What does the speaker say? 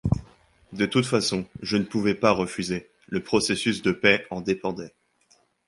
De toute façon, je ne pouvais pas refuser, le processus de paix en dépendait.